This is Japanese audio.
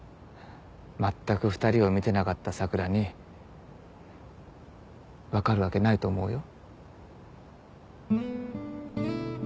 まったく２人を見てなかった佐倉に分かるわけないと思うよ。